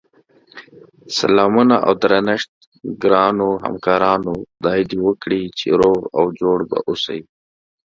سلامونه اودرنښت ګراونوهمکارانو خدای دی وکړی چی روغ اوجوړبه اووسی